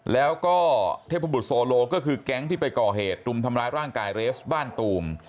แล้วก็เทพบุตรโซโลก็คือแก๊งที่ไปก่อเหตุรุมทำร้ายร่างกายเรสบ้านตูม